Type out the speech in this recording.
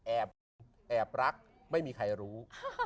หุ่นแอบรักไม่มีใครรู้